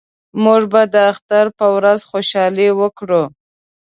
موږ به د اختر په ورځ خوشحالي وکړو